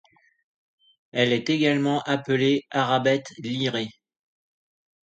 Elle est également appelée Arabette lyrée.